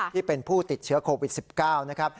ที่เป็นผู้ติดเชื้อโควิด๑๙นะครับ